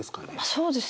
そうですね。